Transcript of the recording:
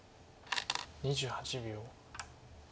２８秒。